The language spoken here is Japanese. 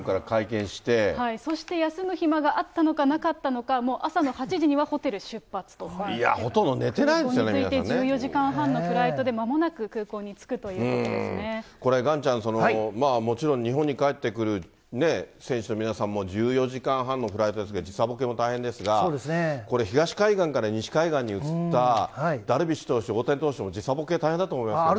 そして休む暇があったのかなかったのか、もう朝の８時にはホほとんど寝てないですよね、皆さん。推定１４時間半のフライトで、まもなく空港に着くということでこれ岩ちゃん、もちろん日本に帰ってくる、選手の皆さんも１４時間のフライトで時差ボケも大変ですが、これ東海岸から西海岸に移ったダルビッシュ投手、大谷投手も時差ボケ大変だと思いますね。